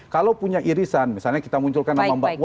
kalau punya irisan misalnya kita munculkan nama mbak puan